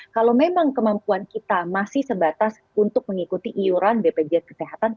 kalau memang kemampuan kita masih sebatas untuk mengikuti iuran bpjs kesehatan